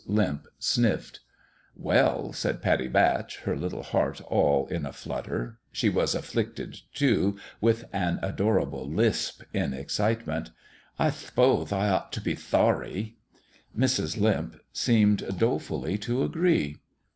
Limp sniffed. " Well," said Pattie, her little heart all in a flutter she was afflicted, too, with an adorable lisp in excitement " I th'pothe I ought t' be thorry" Mrs. Limp seemed dolefully to agree.